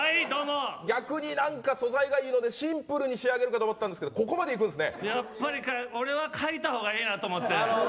逆になんか素材がいいのでシンプルに仕上げるかと思ったんですけどやっぱ俺は書いた方がいいなと思って。